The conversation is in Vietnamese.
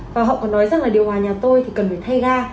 và họ còn nói rằng là điều hòa nhà tôi thì cần phải thay ga